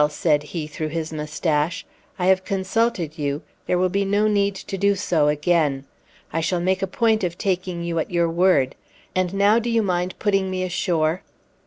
said he through his mustache. "I have consulted you; there will be no need to do so again. I shall make a point of taking you at your word. And now do you mind putting me ashore?"